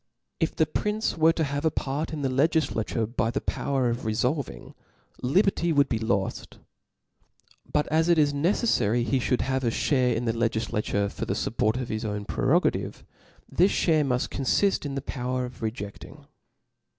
If the prince were to have a part in the Icgifla. tore by the power of refolving, liberty would be loft. But as it is neceflary he fhould have a fhare in the legiflature for the fupport of his own pre rogative, this fhare muft confift in the power (^ rcjcfting.